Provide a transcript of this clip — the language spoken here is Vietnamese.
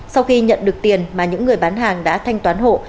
sau khi nhận được tiền mà những người bán hàng đã thanh toán hộ